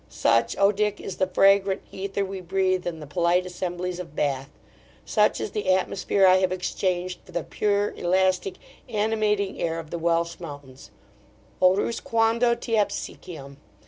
Such, O Dick! is the fragrant aether we breathe in the polite assemblies of Bath Such is the atmosphere I have exchanged for the pure, elastic, animating air of the Welsh mountains O Rus, quando te aspiciam!